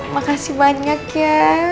makasih banyak ya